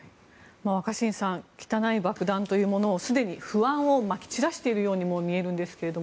若新さん汚い爆弾というものですでに不安をまき散らしているようにも見えるんですが。